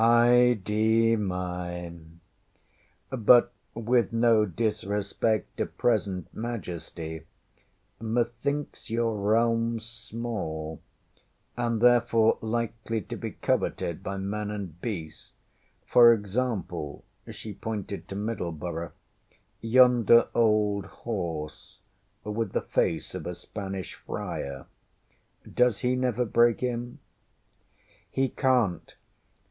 Ay de mi! But with no disrespect to present majesty, methinks your realmŌĆÖ small, and therefore likely to be coveted by man and beast. For Is exampleŌĆÖ she pointed to Middenboro ŌĆśyonder old horse, with the face of a Spanish friar does he never break in? ŌĆÖ ŌĆśHe canŌĆÖt.